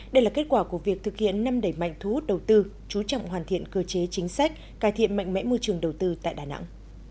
đây là kết quả của việc thực hiện năm đẩy mạnh thu hút đầu tư chú trọng hoàn thiện cơ chế chính sách cải thiện mạnh mẽ môi trường đầu tư tại đà nẵng